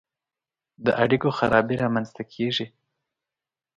د اړیکو خرابي رامنځته کیږي.